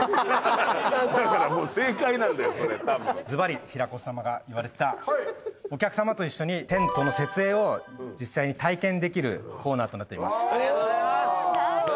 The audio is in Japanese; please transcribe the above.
ずばり平子さまが言われてたお客さまと一緒にテントの設営を実際に体験できるコーナーとなっています。